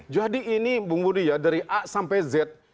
jadi ini bung budi ya dari a sampai z